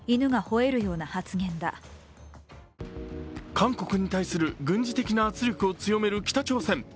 韓国に対する軍事的な圧力を強める北朝鮮。